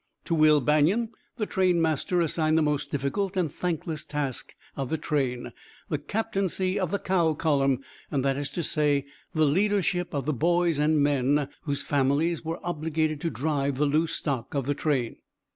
To Will Banion the trainmaster assigned the most difficult and thankless task of the train, the captaincy of the cow column; that is to say, the leadership of the boys and men whose families were obliged to drive the loose stock of the train.